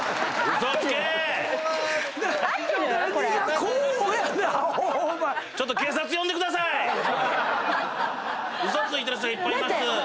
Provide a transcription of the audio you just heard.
嘘ついてる人がいっぱいいます。